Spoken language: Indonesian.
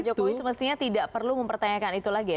pak jokowi semestinya tidak perlu mempertanyakan itu lagi ya